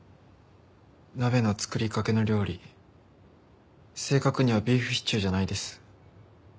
鍋の作りかけの料理正確にはビーフシチューじゃないです。